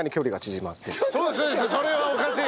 それはおかしい！